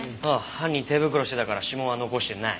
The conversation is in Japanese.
犯人手袋してたから指紋は残してない。